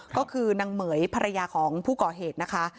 ก็คือนางเม๋ยฝราญของผู้ก่อเหตุนะค๊า